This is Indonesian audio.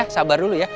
sabar dulu ya